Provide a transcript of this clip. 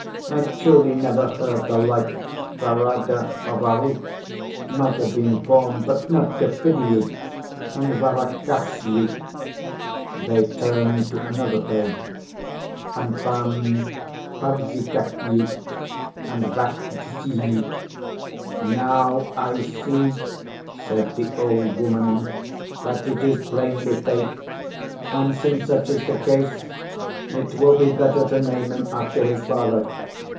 I truly never heard the like. Varada or Varukh might have been borne, but not Triphiliy and Varakhasiy!" They turned to another page and found Pavsikakhiy and Vakhtisiy. "Now I see," said the old woman, "that it is plainly fate. And since such is the case, it will be better to name him after his father.